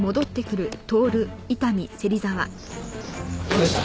どうでした？